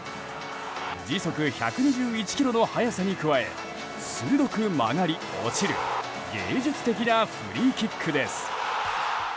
時速１２１キロの速さに加え鋭く曲がり、落ちる芸術的なフリーキックです。